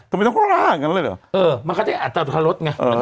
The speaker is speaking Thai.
ก็ไม่ต้องก็ล่าอย่างนั้นเลยเหรอเออมันก็จะอัตรฐรสไงเออ